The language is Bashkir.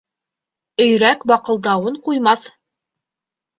Өйрәк баҡылдауын ҡуймаҫ.